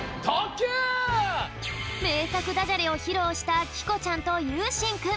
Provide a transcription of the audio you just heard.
めいさくダジャレをひろうしたきこちゃんとゆうしんくん。